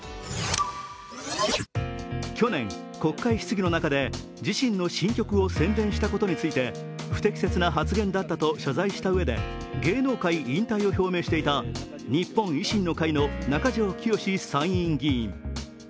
去年、国会質疑の中で自身の新曲を宣伝したことについて不適切な発言だったと謝罪したうえで芸能界引退を表明していた日本維新の会の中条きよし参院議員。